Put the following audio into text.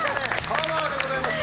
「パワー！」でございます。